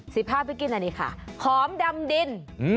สิบห้าไปกินอันนี้ค่ะขอมดำดิน